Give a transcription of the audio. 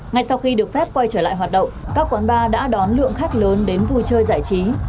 ngay sau khi được phép quay trở lại hoạt động các quán bar đã đón lượng khách lớn đến vui chơi giải trí